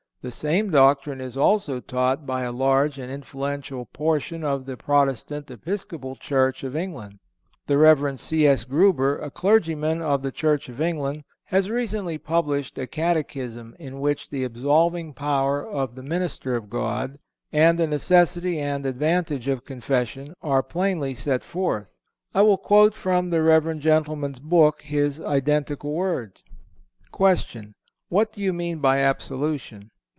The same doctrine is also taught by a large and influential portion of the Protestant Episcopal Church of England. The Rev. C. S. Grueber, a clergyman of the Church of England, has recently published a catechism in which the absolving power of the minister of God, and the necessity and advantage of confession, are plainly set forth. I will quote from the Rev. gentleman's book his identical words: Question. What do you mean by absolution?